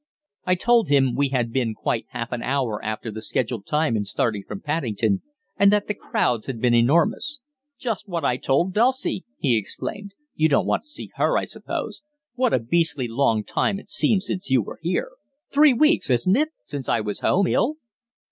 I told him we had been quite half an hour after the scheduled time in starting from Paddington, and that the crowds had been enormous. "Just what I told Dulcie," he exclaimed. "You don't want to see her, I suppose? What a beastly long time it seems since you were here! Three weeks, isn't it, since I was home, ill?"